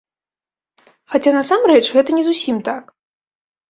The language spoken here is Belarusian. Хаця насамрэч гэта не зусім так.